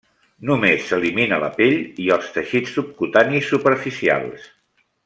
Només s'elimina la pell i els teixits subcutanis superficials.